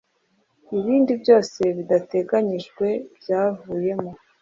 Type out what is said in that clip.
Ibindi byose bidateganyijwe byavuyemo.